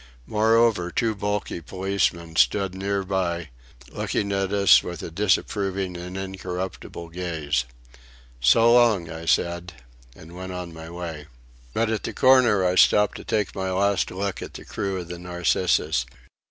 Moreover, two bulky policemen stood near by, looking at us with a disapproving and incorruptible gaze. "So long!" I said, and went on my way. But at the corner I stopped to take my last look at the crew of the Narcissus.